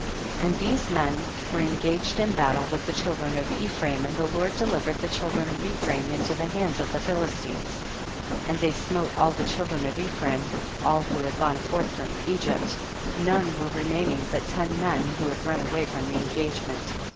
15. And these men were engaged in battle with the children of Ephraim, and the Lord delivered the children of Ephraim into the hands of the Philistines. 16. And they smote all the child ren of Ephraim, all who had gone forth from Egypt, none were re maining but ten men who had run away from the engagement.